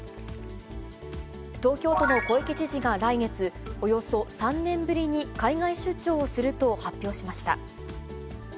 東京都の小池知事が来月、およそ３年ぶりに海外出張をすると発表しました。